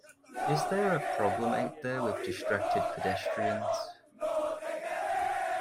Is there a problem out there with distracted pedestrians?